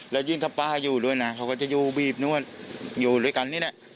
แล้วยิ่งถ้าป้าอยู่ด้วยนะเขาก็จะอยู่บีบนวดอยู่ด้วยกันนี่แหละ